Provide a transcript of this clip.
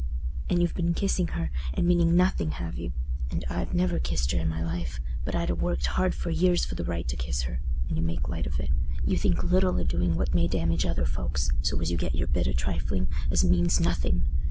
And you've been kissing her, and meaning nothing, have you? And I never kissed her i' my life—but I'd ha' worked hard for years for the right to kiss her. And you make light of it. You think little o' doing what may damage other folks, so as you get your bit o' trifling, as means nothing.